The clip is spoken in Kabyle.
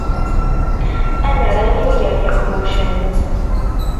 Ad nerr alim gar yiqbucen.